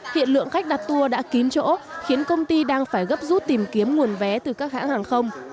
hiện lượng khách đặt tour đã kín chỗ khiến công ty đang phải gấp rút tìm kiếm nguồn vé từ các hãng hàng không